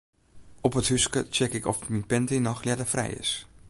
Op it húske check ik oft myn panty noch ljedderfrij is.